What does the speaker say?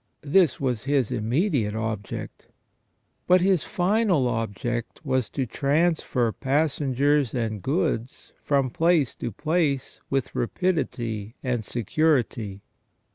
This was his immediate object. But his final object was to transfer passengers and goods from place to place with rapidity and security.